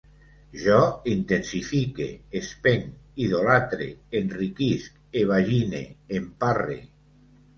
Jo intensifique, espenc, idolatre, enriquisc, evagine, emparre